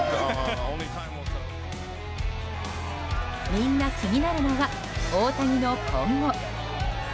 みんな気になるのは大谷の今後。